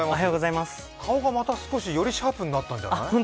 顔がまた、少し、よりシャープになったんじゃない？